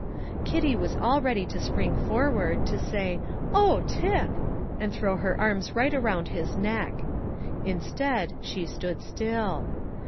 Kitty was all ready to spring forward, say, "Oh, Tip!" and throw her arms right around his neck. Instead, she stood still.